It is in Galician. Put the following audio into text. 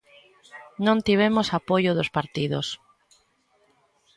Non tivemos apoio dos partidos.